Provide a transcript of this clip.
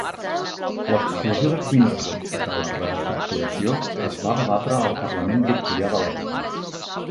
L'exclusió de Queenscliffe de la reestructuració es va debatre al Parlament victorià de l'època.